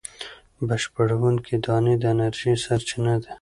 بشپړوونکې دانې د انرژۍ سرچینه دي.